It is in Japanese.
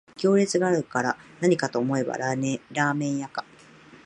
行列があるからなにかと思えばラーメン屋か